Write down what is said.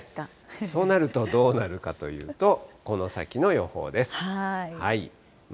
そうなるとどうなるかというと、この先の予報です。